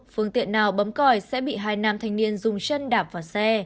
phương tiện nào bấm còi sẽ bị hai nam thanh niên dùng chân đạp vào xe